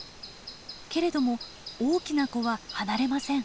けれども大きな子は離れません。